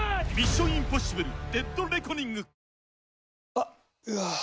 あっ、うわー。